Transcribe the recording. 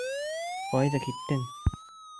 Ҡайҙа китте?